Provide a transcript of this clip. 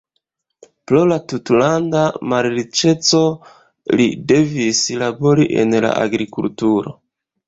Pro la tutlanda malriĉeco li devis labori en la agrikulturo.